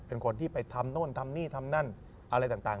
เป็นคนที่ไปทำโน่นทำนี่ทำนั่นอะไรต่าง